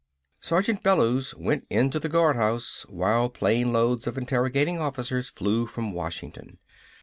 Sergeant Bellews went into the guardhouse while plane loads of interrogating officers flew from Washington.